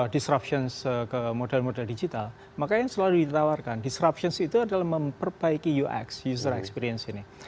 disruption ke model model digital maka yang selalu ditawarkan disruption itu adalah memperbaiki ux user experience ini